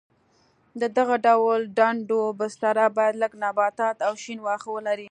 د دغه ډول ډنډونو بستره باید لږ نباتات او شین واښه ولري.